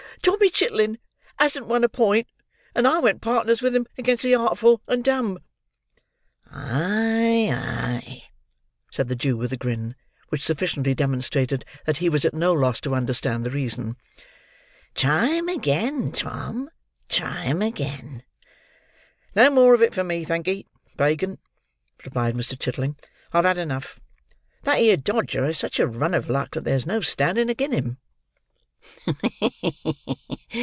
Tommy Chitling hasn't won a point; and I went partners with him against the Artfull and dumb." "Ay, ay!" said the Jew, with a grin, which sufficiently demonstrated that he was at no loss to understand the reason. "Try 'em again, Tom; try 'em again." "No more of it for me, thank 'ee, Fagin," replied Mr. Chitling; "I've had enough. That 'ere Dodger has such a run of luck that there's no standing again' him."